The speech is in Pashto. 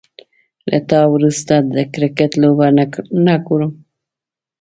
له تا وروسته، د کرکټ لوبه نه ګورم